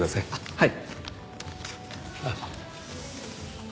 はい。